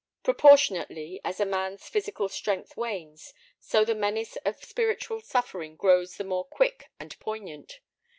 Proportionately as a man's physical strength wanes, so the menace of spiritual suffering grows the more quick and poignant.